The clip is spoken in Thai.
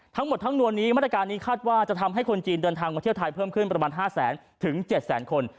ทั้งหมดทั้งมวลนี้มาตรการนี้คาดว่าจะทำให้คนจีนเดินทางมาเที่ยวไทยเพิ่มขึ้นประมาณ๕แสนถึง๗แสนคน